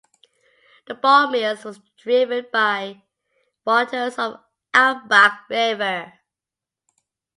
The ball mills were driven by the waters of the Almbach river.